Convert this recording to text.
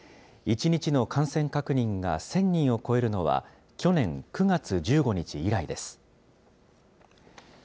１日の感染確認が１０００人を超えるのは去年９月１５日以来です。